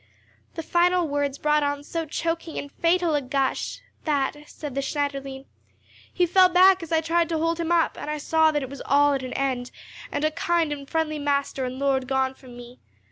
The final words brought on so choking and fatal a gush that, said the Schneiderlein, "he fell back as I tried to hold him up, and I saw that it was all at an end, and a kind and friendly master and lord gone from me.